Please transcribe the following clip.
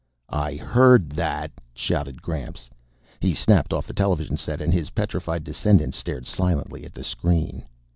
"I heard that!" shouted Gramps. He snapped off the television set and his petrified descendants stared silently at the screen.